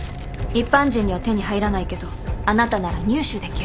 一般人には手に入らないけどあなたなら入手できる。